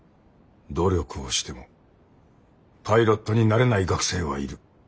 努力をしてもパイロットになれない学生はいる。